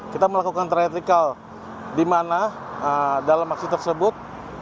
kita melakukan trayektikal di mana dalam aksi tersebut